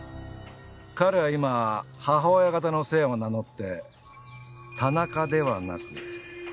彼は今母親方の姓を名乗って田中ではなく。